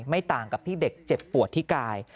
ไม่ต่างกับที่เด็กเจ็บปวดที่กาย